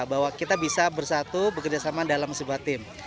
bahwa kita bisa bersatu bekerjasama dalam sebuah tim